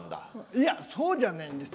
いやそうじゃないんですよ。